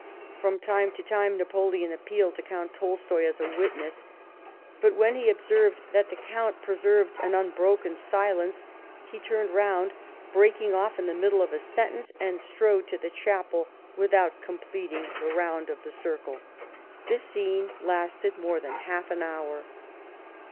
From time to time Napoleon appealed to Count Tolstoy as a witness ; but when he observed that the Count preserved an unbroken silence, he turned round, breaking off in the middle of a sentence, and strode to the Chapel without completing the round of the circle. This scene lasted more than half an hour."